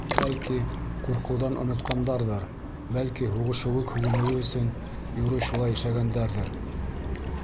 Бәлки, ҡурҡыуҙан онотҡандарҙыр, бәлки, һуғышыуы, һүгенеүе өсөн юрый шулай эшләгәндәрҙер.